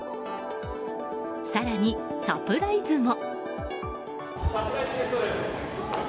更に、サプライズも。